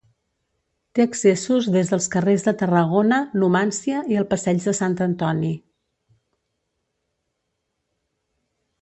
Té accessos des dels carrers de Tarragona, Numància i el passeig de Sant Antoni.